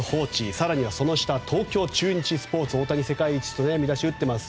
更には東京中日スポーツ大谷、世界一と見出しを打っています。